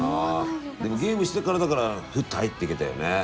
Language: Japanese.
でもゲームしてからだからふっと入っていけたよね。